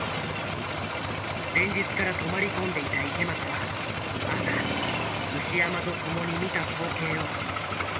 前日から泊まり込んでいた池松は朝牛山と共に見た光景を今もはっきりと覚えている。